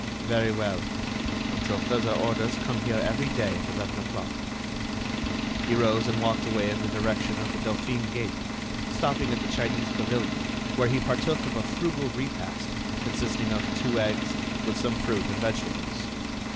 "Very well. Until further orders come here every day at eleven o'clock." He rose and walked away in the direction of the Dauphine gate, stopping at the Chinese pavilion, where he partook of a frugal repast consisting of two eggs, with some fruit and vegetables.